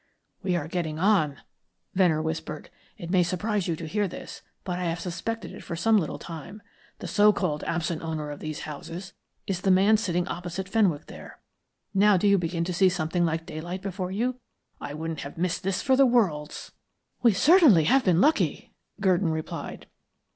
"We are getting on," Venner whispered. "It may surprise you to hear this, but I have suspected it for some little time. The so called absent owner of these houses is the man sitting opposite Fenwick there. Now do you begin to see something like daylight before you? I wouldn't have missed this for worlds." "We have certainly been lucky," Gurdon replied.